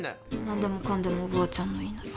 何でもかんでもおばあちゃんの言いなり。